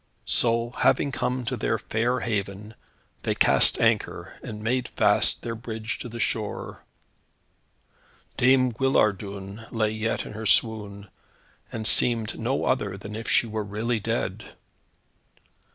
So, having come to their fair haven, they cast anchor, and made fast their bridge to the shore. Dame Guillardun lay yet in her swoon, and seemed no other than if she were really dead.